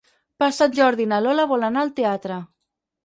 Per Sant Jordi na Lola vol anar al teatre.